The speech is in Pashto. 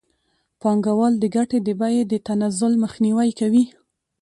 پانګوال د ګټې د بیې د تنزل مخنیوی کوي